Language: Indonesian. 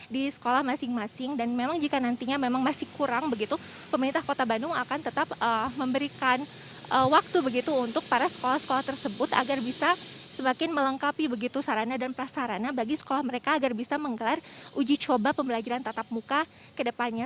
di sekolah masing masing dan memang jika nantinya memang masih kurang begitu pemerintah kota bandung akan tetap memberikan waktu begitu untuk para sekolah sekolah tersebut agar bisa semakin melengkapi begitu sarana dan prasarana bagi sekolah mereka agar bisa menggelar uji coba pembelajaran tatap muka ke depannya